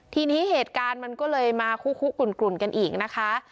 ทีนี้เหตุการณ์มันก็เลยมาคู่คุกกลุ่นกันอีกนะคะ